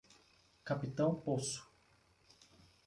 Capitão Poço